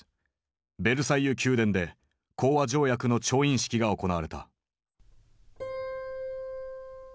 ベルサイユ宮殿で講和条約の調印式が行われた。